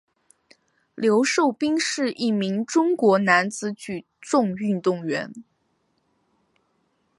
刘寿斌是一名中国男子举重运动员。